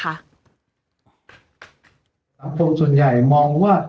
สังคมส่วนใหญ่มองว่า